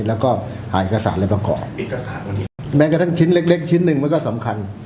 แล้วก็หาเอกสารอะไรประกอบเอกสารวันนี้แม้กระทั่งชิ้นเล็กเล็กชิ้นหนึ่งมันก็สำคัญ